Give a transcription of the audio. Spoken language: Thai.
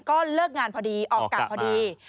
ก็เลิกงานพอดีออกกะพอดี